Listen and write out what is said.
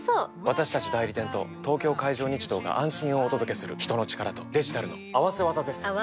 私たち代理店と東京海上日動が安心をお届けする人の力とデジタルの合わせ技です！